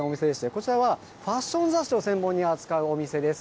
こちらはファッション雑誌を専門に扱うお店です。